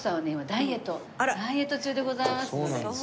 ダイエット中でございますので。